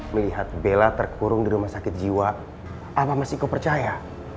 melihat bella terkurung di rumah sakit jiwa apa mas iko percaya